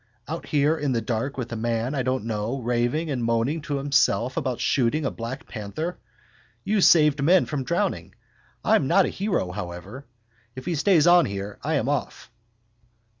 Out here in the dark with a man I don't know raving and moaning to himself about shooting a black panther. You saved men from drowning. I'm not a hero, however. If he stays on here I am off.